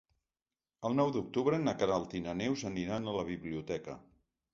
El nou d'octubre na Queralt i na Neus aniran a la biblioteca.